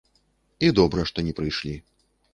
І добра што не прыйшлі.